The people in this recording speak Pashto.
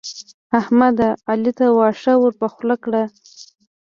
احمد؛ علي ته واښه ور پر خوله کړل.